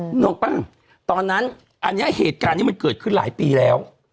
นึกออกป่ะตอนนั้นอันเนี้ยเหตุการณ์นี้มันเกิดขึ้นหลายปีแล้ว